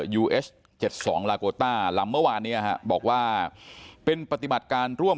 ยูเอส๗๒ลาโกต้าลำเมื่อวานนี้บอกว่าเป็นปฏิบัติการร่วม